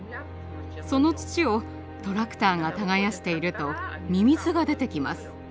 その土をトラクターが耕しているとミミズが出てきます。